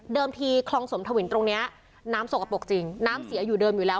ทีคลองสมทวินตรงนี้น้ำสกปรกจริงน้ำเสียอยู่เดิมอยู่แล้ว